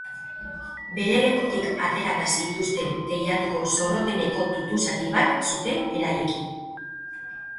Bere lekutik aterata zituzten teilatuko zorroteneko tutu-zati bat zuten beraiekin.